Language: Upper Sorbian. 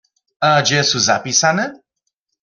A hdźe su zapisane?